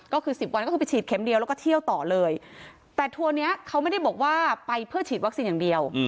ก็คือ๑๐วันก็คือไปฉีดเข็มเดียวแล้วก็เที่ยวต่อเลยแต่ทัวร์นี้เขาไม่ได้บอกว่าไปเพื่อฉีดวัคซีนอย่างเดียว